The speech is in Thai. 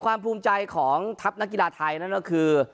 ภูมิใจของทัพนักกีฬาไทยนั่นก็คือ